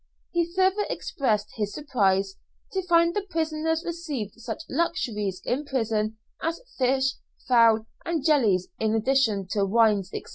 He further expressed his surprise to find the prisoners received such luxuries in prison as fish, fowl, and jellies, in addition to wines, &c!